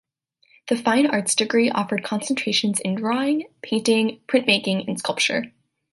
The fine arts degree offered concentrations in drawing, painting, printmaking, and sculpture.